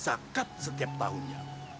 zakat setiap tahunnya